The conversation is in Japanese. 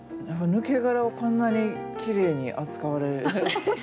抜け殻をこんなにきれいに扱われ。